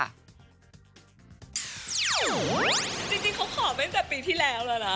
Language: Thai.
จริงเขาขอไม่จากปีที่แล้วแล้วนะ